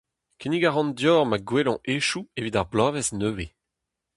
Kinnig a ran deoc'h ma gwellañ hetoù evit ar bloavezh nevez.